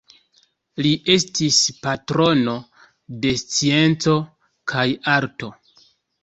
Li estis patrono de scienco kaj arto.